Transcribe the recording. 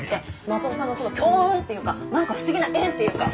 松尾さんのその強運っていうか何か不思議な縁っていうか。